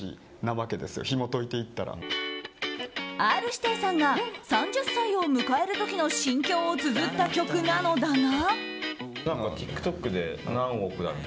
Ｒ‐指定さんが３０歳を迎える時の心境をつづった曲なのだが。